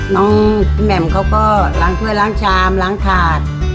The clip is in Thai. น้องพี่แหม่มเขาก็ล้างเครื่อยล้างชามล้างถาด